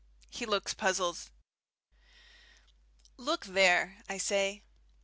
He looks puzzled. "Look there!" I say.